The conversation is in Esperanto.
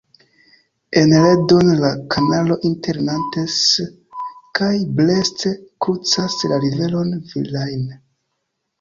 En Redon, la kanalo inter Nantes kaj Brest krucas la riveron Vilaine.